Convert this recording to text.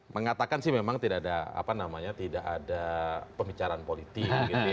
mengatakan sih memang tidak ada apa namanya tidak ada pembicaraan politik